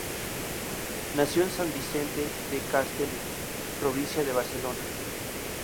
Nació en San Vicente de Castellet, provincia de Barcelona.